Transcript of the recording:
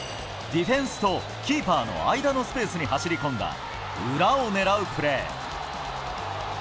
ディフェンスとキーパーの間のスペースに走り込んだ、裏を狙うプレー。